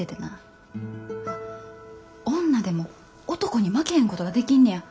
女でも男に負けへんことができんねや。